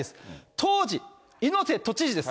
当時、猪瀬都知事です。